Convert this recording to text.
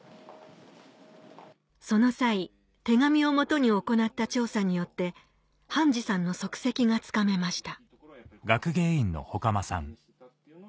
その際手紙をもとに行った調査によって半次さんの足跡がつかめました